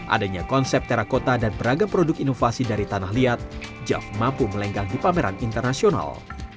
adanya konsep terakota dan beragam produk inovasi dari tanah liat jav mampu melenggang di pameran internasional